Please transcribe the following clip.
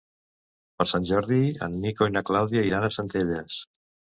Per Sant Jordi en Nico i na Clàudia iran a Centelles.